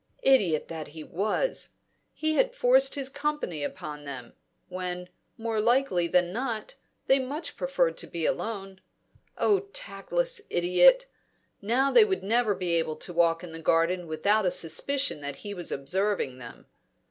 Idiot that he was! He had forced his company upon them, when, more likely than not, they much preferred to be alone. Oh, tactless idiot! Now they would never be able to walk in the garden without a suspicion that he was observing them.